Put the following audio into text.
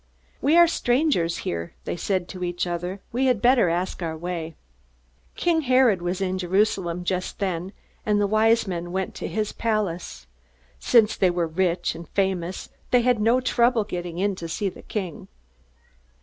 "We are strangers here," they said to each other. "We had better ask our way." King Herod was in Jerusalem just then, and the Wise Men went to his palace. Since they were rich and famous, they had no trouble getting in to see the king.